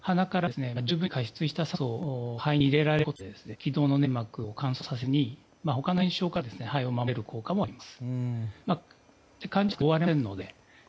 また、鼻から十分に加湿した酸素を肺に入れられることで気道の粘膜を乾燥させずに他の炎症から肺を守れる効果もあります。